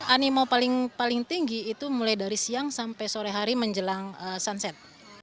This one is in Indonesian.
animo paling tinggi itu mulai dari siang sampai sore hari menjelang sunset